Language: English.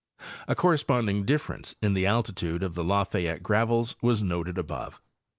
A corresponding difference in the altitude of the Lafayette gravels was noted above.